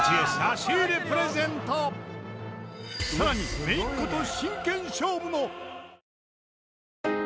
さらに姪っ子と真剣勝負も